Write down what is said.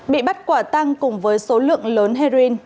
bị bắt quả tăng cùng với số lượng lớn heroin